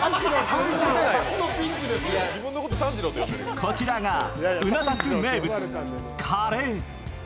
こちらがうな達名物カレー。